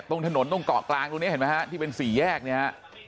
ตรงถนนตรงเกาะกลางตรงนี้เห็นไหมฮะที่เป็นสี่แยกเนี่ยฮะ